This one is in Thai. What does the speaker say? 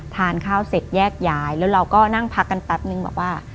ทานข้าวเสร็จแยกย้ายแล้วเราก็นั่งพักกันแป๊บนึงบอกว่า